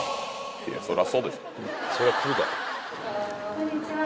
こんにちは。